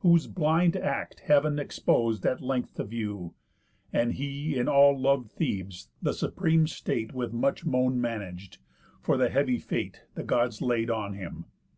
Whose blind act Heav'n expos'd at length to view, And he in all lov'd Thebes the supreme state With much moan manag'd, for the heavy fate The Gods laid on him.